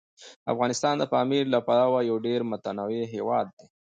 افغانستان د پامیر له پلوه یو ډېر متنوع هیواد دی.